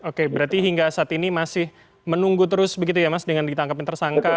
oke berarti hingga saat ini masih menunggu terus begitu ya mas dengan ditangkapin tersangka